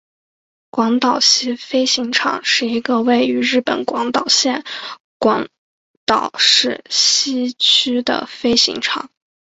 广岛西飞行场是一个位于日本广岛县广岛市西区的飞行场。